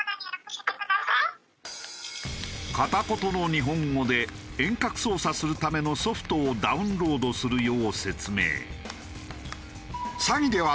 片言の日本語で遠隔操作するためのソフトをダウンロードするよう説明。